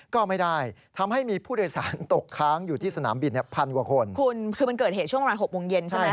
คุณคือเกิดเหตุช่วงกลาง๖วงเย็นใช่ไหม